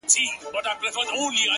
• په لوی لاس ځانته کږې کړي سمي لاري,,!